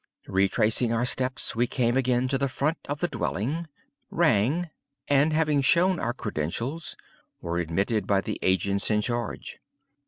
Retracing our steps, we came again to the front of the dwelling, rang, and, having shown our credentials, were admitted by the agents in charge.